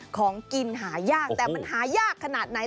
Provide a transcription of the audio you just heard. ของกินหายากแต่มันหายากขนาดไหน